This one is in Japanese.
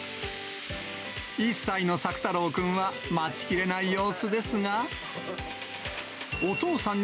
１歳の朔太郎くんは、待ちきれない様子ですが。